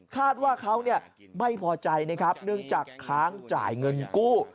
คาดว่าเขาไม่พอใจนะครับเนื่องจากค้างจ่ายเงินกู้